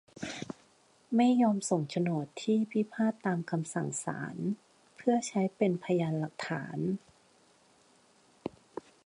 ไม่ยอมส่งโฉนดที่พิพาทตามคำสั่งศาล เพื่อใช้เป็นพยานหลักฐาน